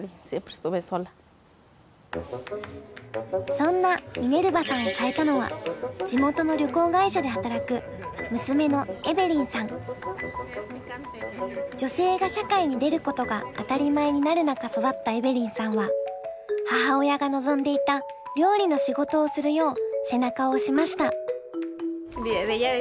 そんなミネルバさんを変えたのは地元の旅行会社で働く女性が社会に出ることが当たり前になる中育ったエベリンさんは母親が望んでいた料理の仕事をするよう背中を押しました。